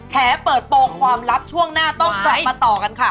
แฉเปิดโปรงความลับช่วงหน้าต้องกลับมาต่อกันค่ะ